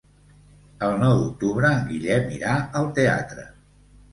El nou d'octubre en Guillem irà al teatre.